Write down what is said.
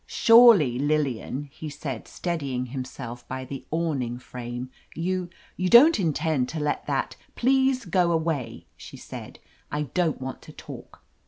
"Surely, Lillian," he said, steadying himself by the awning frame, "you — ^you don't intend to let that—" "Please go away," she said. "I don't want to talk.